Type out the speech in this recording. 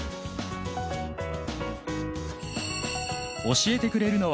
教えてくれるのは